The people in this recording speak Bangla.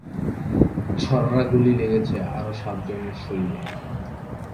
ছররা গুলি লেগেছে আরও সাতজনের শরীরে।